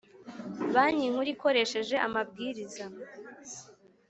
Banki Nkuru ikoresheje Amabwiriza